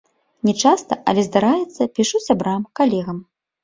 Не часта, але, здараецца, пішу сябрам, калегам.